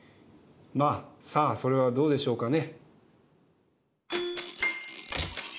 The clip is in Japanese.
まあさあそれはどうでしょうかね。